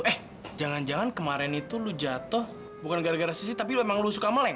eh jangan jangan kemarin itu lo jatuh bukan gara gara sisi tapi emang lo suka meleng